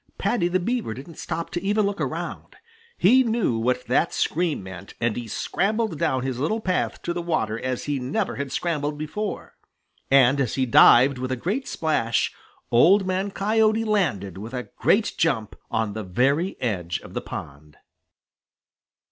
Paddy the Beaver didn't stop to even look around. He knew what that scream meant, and he scrambled down his little path to the water as he never had scrambled before. And as he dived with a great splash, Old Man Coyote landed with a great jump on the very edge of the pond.